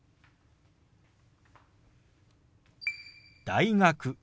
「大学」。